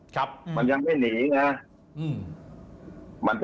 ความความแหงหมด